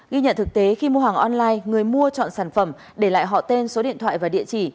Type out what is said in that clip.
ghi nhận thực tế khi mua hàng online người mua chọn sản phẩm để lại họ tên số điện thoại và địa chỉ